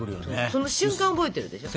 その瞬間覚えてるでしょ？